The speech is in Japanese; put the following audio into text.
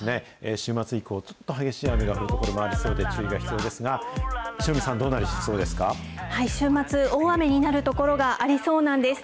週末以降、ちょっと激しい雨が降る所もありそうで注意が必要ですが、塩見さ週末、大雨になる所がありそうなんです。